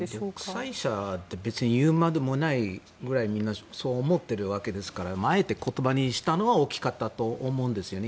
独裁者って言うまでもないくらいみんなそう思ってるわけですがあえて言葉にしたのは大きかったと思うんですよね。